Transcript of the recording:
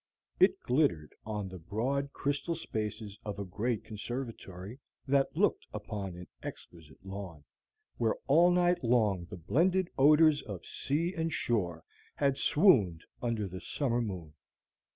It glittered on the broad crystal spaces of a great conservatory that looked upon an exquisite lawn, where all night long the blended odors of sea and shore had swooned under the summer moon.